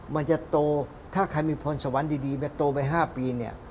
มันจะโตถ้าใครมีพรสวรรค์ดีโตไป๕ปีเนี่ย